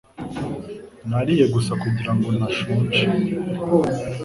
Nariye gusa kugirango ntashonje